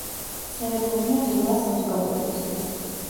ცერემონია ღიაა საზოგადოებისთვის.